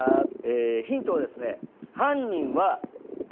ヒントはですね。